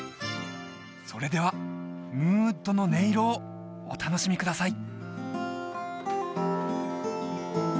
それではムーンウッドの音色をお楽しみください